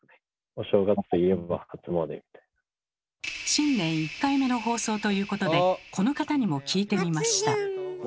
新年１回目の放送ということでこの方にも聞いてみました。